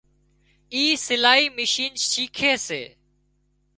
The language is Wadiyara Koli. اِي سلائي مِشين شيکي سي